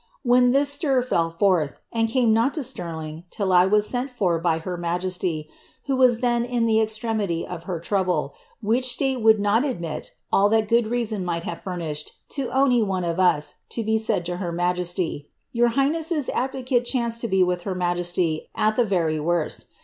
*■ when this stir fell forth, and came not to Stirling till I was sent U t It her majesty, who was then in the extremity of her trouble, which s.iie would not admit all that good reason might have furnished lo ony ,<{^; to l^e said lo her majesty. Tourhighness's advocate chanced to be w;i her mfijesiy at the verie worst.